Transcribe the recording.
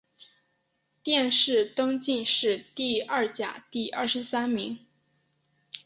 殿试登进士第二甲第二十三名。